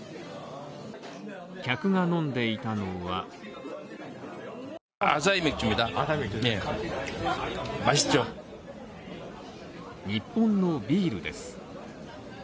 客が飲んでいたのは日本のビールです。